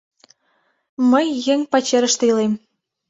Мый еҥ пачерыште илем.